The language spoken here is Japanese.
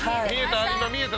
見えた？